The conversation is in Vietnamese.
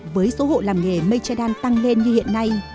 với số hộ làm nghề mây che đan tăng lên như hiện nay